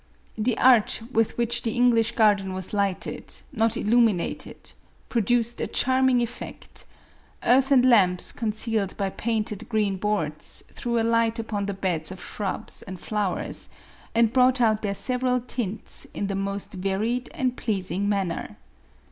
The art with which the English garden was lighted, not illuminated, produced a charming effect : earthen lamps concealed by painted green boards, threw a light upon the beds of shrubs and flowers, and brought out their several tints in the most varied and pleasing manner.